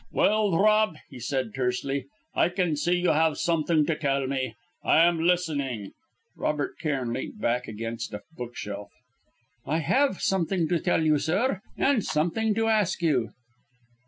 "Well, Rob," he said, tersely. "I can see you have something to tell me. I am listening." Robert Cairn leant back against a bookshelf. "I have something to tell you, sir, and something to ask you."